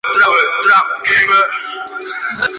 El club comenzó como un proyecto social por la dirección.